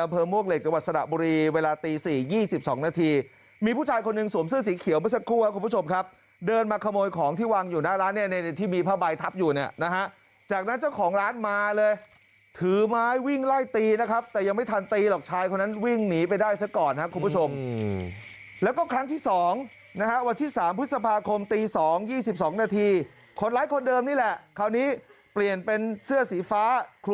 แห่งหนึ่งในอาเภอมวกเหล็กจังหวัดสระบุรีเวลาตี๔๒๒นาทีมีผู้ชายคนหนึ่งสวมเสื้อสีเขียวไปสักครู่ครับคุณผู้ชมครับเดินมาขโมยของที่วางอยู่นะร้านเนี่ยที่มีผ้าใบทับอยู่เนี่ยนะฮะจากนั้นเจ้าของร้านมาเลยถือไม้วิ่งไล่ตีนะครับแต่ยังไม่ทันตีหรอกชายคนนั้นวิ่งหนีไปได้ซะก่อนนะครับคุณผู้ชมแล้วก็คร